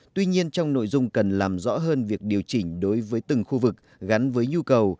tuy nhiên trong nội dung cần làm rõ hơn việc điều chỉnh đối với từng khu vực gắn với nhu cầu